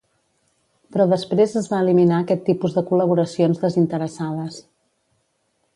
Però després es va eliminar aquest tipus de col·laboracions desinteressades